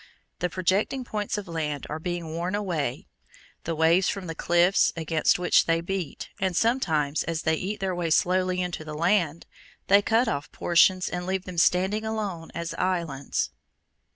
The projecting points of land are being worn away (Fig. 33). The waves form the cliffs against which they beat, and sometimes, as they eat their way slowly into the land, they cut off portions and leave them standing alone as islands.